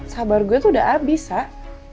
sabar gue tuh udah abis kak